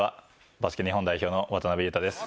バスケ日本代表の渡邊雄太です。